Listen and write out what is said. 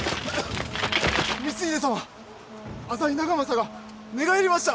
光秀様浅井長政が寝返りました！